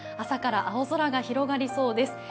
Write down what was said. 朝から青空が広がりそうです。